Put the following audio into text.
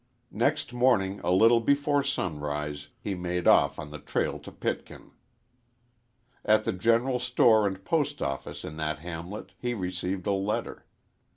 Next morning a little before sunrise he made off on the trail to Pitkin. At the general store and post office in that hamlet he received a letter.